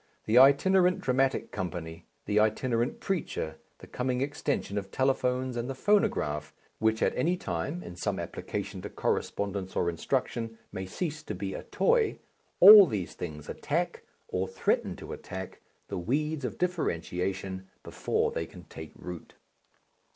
The itinerant dramatic company, the itinerant preacher, the coming extension of telephones and the phonograph, which at any time in some application to correspondence or instruction may cease to be a toy, all these things attack, or threaten to attack, the weeds of differentiation before they can take root....